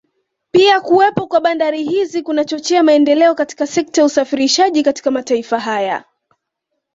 Pia kuwepo kwa bandari hizi kunachochea maendeleo katika sekta ya usafirishaji katika mataifa haya